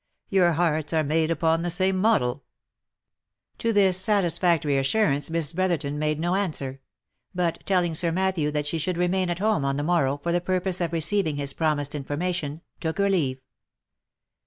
Your hearts are made upon the same model 1" To this satisfactory assurance Miss Brotherton made no answer ; but telling Sir Matthew that she should remain at home on the morrow for the purpose of receiving his promised information, took her leave.